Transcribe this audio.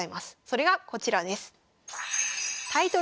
それがこちらです。